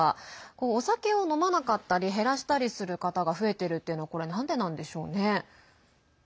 お酒を飲まなかったり減らしたりする方が増えているっていうのはこれ、なんでなんでしょうね？